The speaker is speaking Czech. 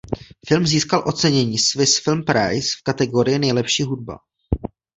Film získal ocenění "Swiss Film Prize" v kategorii nejlepší hudba.